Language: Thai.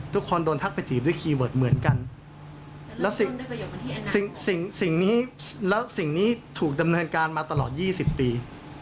ทุกคนโดนทักไปจีบด้วยคีย์เวิร์ดเหมือนกันแล้วสิ่งนี้แล้วสิ่งนี้ถูกดำเนินการมาตลอด๒๐ปี